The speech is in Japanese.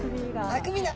あくびだ。